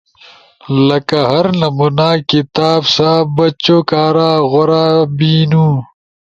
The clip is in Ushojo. لکہ ہر نمونا کتاب سا بچو کارا غورا بینو۔